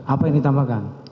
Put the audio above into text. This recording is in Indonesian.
apa yang ditambahkan